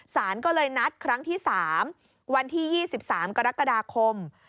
สารก็เลยนัดครั้งที่๓วันที่๒๓กรกฎาคม